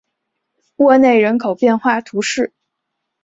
沃内人口变化图示